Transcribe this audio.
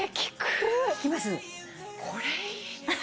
これいい。